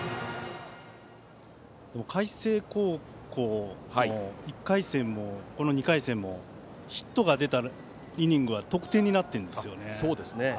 海星高校は１回戦もこの２回戦もヒットが出たイニングは得点になっているんですね。